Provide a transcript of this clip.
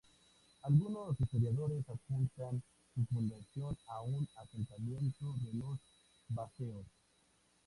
Algunos historiadores apuntan su fundación a un asentamiento de los vacceos.